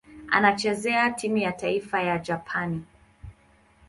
Anachezea timu ya taifa ya Japani.